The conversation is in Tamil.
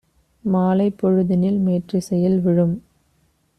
மாலைப் பொழுதினில் மேற்றிசையில் விழும்